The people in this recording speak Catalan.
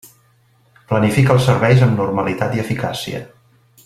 Planifica els serveis amb normalitat i eficàcia.